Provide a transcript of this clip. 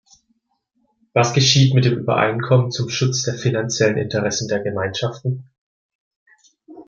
Was geschieht mit dem Übereinkommen zum Schutz der finanziellen Interessen der Gemeinschaften?